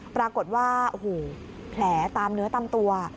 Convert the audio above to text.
ปรากฏว่าโอ้โหแผลตามเนื้อตามตัว